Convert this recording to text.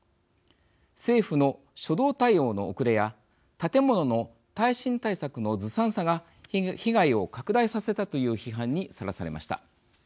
政府の初動対応の遅れや建物の耐震対策の杜撰さが被害を拡大させたという批判にさらされました。